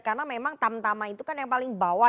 karena memang tamtama itu kan yang paling bawah